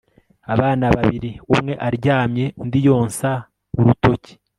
abana babiri, umwe aryamye, undi yonsa urutoki